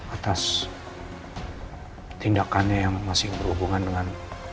atas tindakannya yang masih berhubungan dengan